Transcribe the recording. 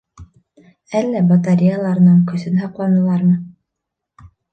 Әллә батареяларының көсөн һаҡланылармы?